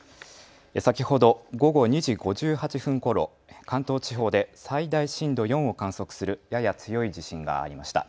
先ほど午後２時５８分ごろ関東地方で最大震度４を観測するやや強い地震がありました。